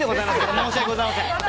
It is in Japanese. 申し訳ございません。